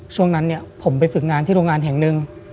ช่วงนั้นเนี่ยผมไปฝึกงานที่โรงงานแห่งหนึ่ง